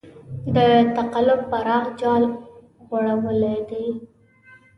د تقلب پراخ جال غوړولی دی.